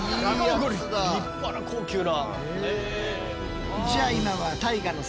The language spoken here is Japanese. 立派な高級な。